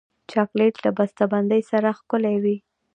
چاکلېټ له بسته بندۍ سره ښکلی وي.